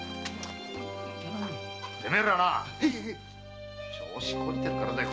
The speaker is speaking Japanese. てめえら調子こいてるからだよ。